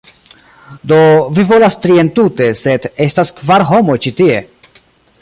Do, vi volas tri entute, sed estas kvar homoj ĉi tie